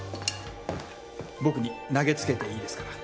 僕に投げつけていいですから。